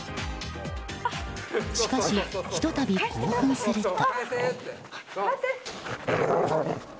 しかし、ひと度興奮すると。